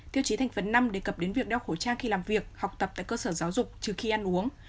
tiêu chí thành phần năm đề cập đến việc đeo khẩu trang khi làm việc học tập tại cơ sở giáo dục trừ khi ăn uống